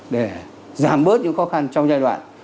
để giảm bớt những khó khăn trong giai đoạn